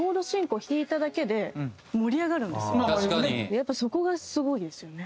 やっぱそこがすごいですよね。